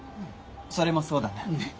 それもそうだな。